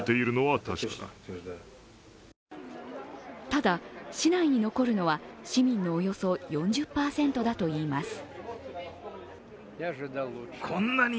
ただ、市内に残るのは市民のおよそ４０％だといいます。